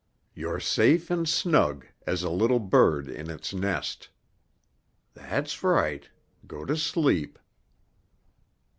You're safe and snug as a little bird in its nest. That's right. Go to sleep."